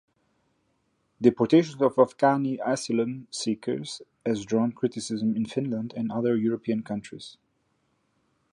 Deportations of Afghani asylum seekers has drawn criticism in Finland and other European countries.